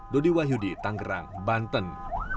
dodi wahyudi tanggerang banten